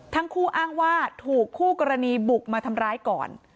ทั้งคู่อ้างว่าถูกคู่กรณีบุกมาทำร้ายก่อน